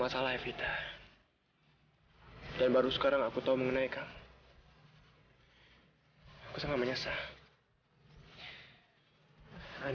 siapa tau kamu suka